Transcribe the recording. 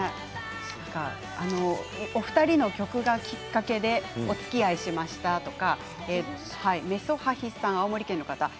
お二人の曲がきっかけでおつきあいしましたとか青森県の方からです。